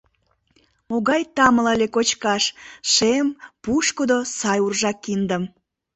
Могай тамле ыле кочкаш Шем, пушкыдо, сай уржа киндым!